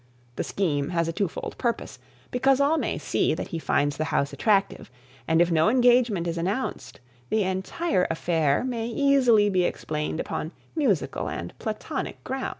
The scheme has a two fold purpose, because all may see that he finds the house attractive, and if no engagement is announced, the entire affair may easily be explained upon musical and platonic grounds.